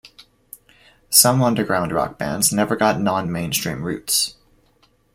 Some underground rock bands never got non-mainstream roots.